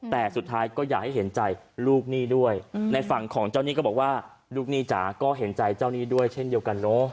แต่สุดท้ายก็อยากให้เห็นใจลูกหนี้ด้วยในฝั่งของเจ้าหนี้ก็บอกว่าลูกหนี้จ๋าก็เห็นใจเจ้าหนี้ด้วยเช่นเดียวกันเนอะ